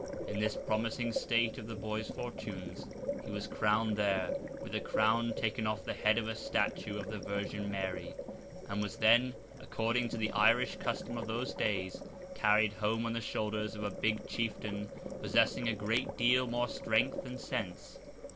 In this promising state of the boy's fortunes, he was crowned there, with a crown taken off the head of a statue of the Virgin Mary; and was then, according to the Irish custom of those days, carried home on the shoulders of a big chieftain possessing a great deal more strength than sense.